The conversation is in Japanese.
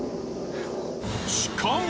しかも。